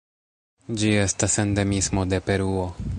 Ĝi estas endemismo de Peruo.